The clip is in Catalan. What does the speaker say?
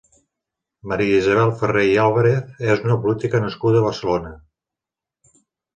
Maria Isabel Ferrer i Álvarez és una política nascuda a Barcelona.